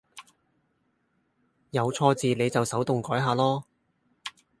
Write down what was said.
有錯字你就手動改下囉